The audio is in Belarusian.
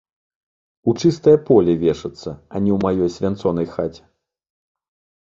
У чыстае поле вешацца, а не ў маёй свянцонай хаце.